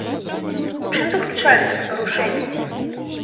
У чым заключаліся парушэнні?